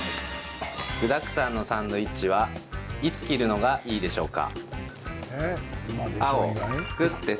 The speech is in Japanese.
具だくさんのサンドイッチはいつ切るのがいいでしょうか？